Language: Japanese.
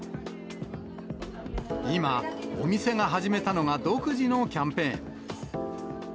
今、お店が始めたのが独自のキャンペーン。